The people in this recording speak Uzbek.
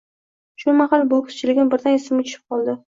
Shu mahal bokschiligim birdan esimga tushib qoldi